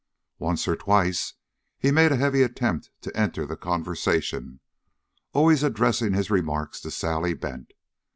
Once or twice he made a heavy attempt to enter the conversation, always addressing his remarks to Sally Bent.